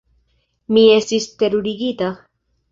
Mi estis terurigita.